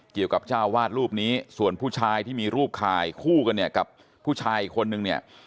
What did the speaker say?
เกี่ยวกับเจ้าวาดรูปนี้ส่วนผู้ชายที่มีรูปคลายคู่กันกับผู้ชายอีกคนนึงเนี่ย